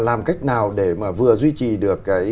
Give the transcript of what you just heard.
làm cách nào để mà vừa duy trì được